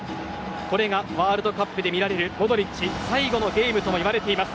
これがワールドカップで見られるモドリッチ最後のゲームとも言われています。